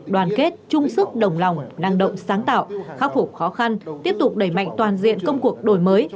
đoàn kết chung sức đồng lòng năng động sáng tạo khắc phục khó khăn tiếp tục đẩy mạnh toàn diện công cuộc đổi mới